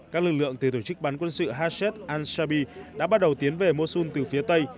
các lực lượng từ tổ chức bán quân sự hashet al shabi đã bắt đầu tiến về mosul từ phía tây